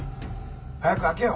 早く開けよ。